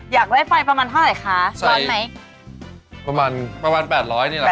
อยากได้ไฟประมาณเท่าไหร่คะร้อนไหม